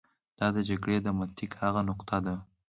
دا د جګړې د منطق هغه نقطه ده.